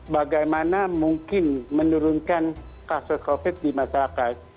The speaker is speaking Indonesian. bagaimana mungkin menurunkan kasus covid di masyarakat